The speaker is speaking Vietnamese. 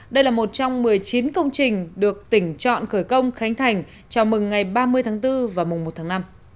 đây là một trong một mươi chín công trình được tỉnh chọn khởi công khánh thành chào mừng ngày ba mươi tháng bốn và mùng một tháng năm